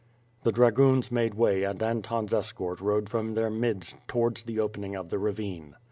The dragoons made way and Anton's escort rode from their midst towards the opening of the ravine.